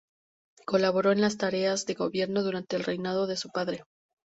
Colaboró en las tareas de gobierno durante el reinado de su padre.